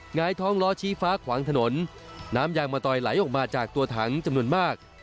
หงายท้องล้อชี้ฟ้าขวางถนนน้ำยางมะตอยไหลออกมาจากตัวถังจำนวนมาก